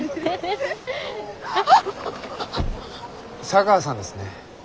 茶川さんですね。